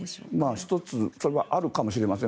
１つそれはあるかもしれません。